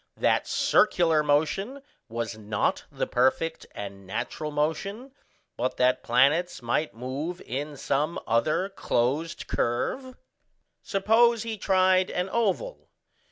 that circular motion was not the perfect and natural motion, but that planets might move in some other closed curve? Suppose he tried an oval.